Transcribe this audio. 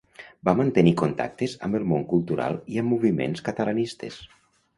Va mantenir contactes amb el món cultural i amb moviments catalanistes.